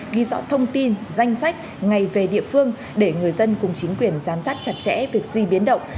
ghi rõ thông tin danh sách ngày về địa phương để người dân cùng chính quyền giám sát chặt chẽ việc di biến động